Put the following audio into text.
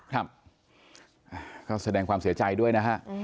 ครับก็แสดงความเสียใจด้วยนะฮะ